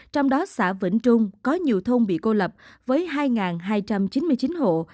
trong đó xã vĩnh trung có nhiều thôn bị cô lập với hai hai trăm chín mươi chín hộ